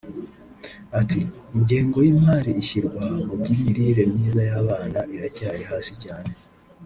Ati “Ingengo y’imari ishyirwa mu by’imirire myiza y’abana iracyari hasi cyane